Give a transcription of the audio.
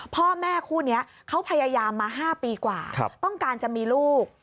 พ่อแม่คู่นี้เขาพยายามมา๕ปีกว่าต้องการจะมีลูก